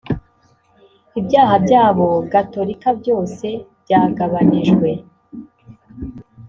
ibyaha byabo gatolika byose byagabanijwe,